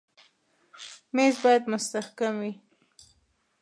مېز باید مستحکم وي.